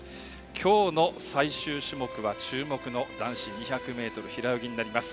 今日の最終種目は注目の男子２００ｍ平泳ぎです。